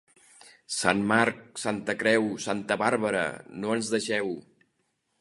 Sant Marc, Santa Creu, Santa Bàrbara no ens deixeu.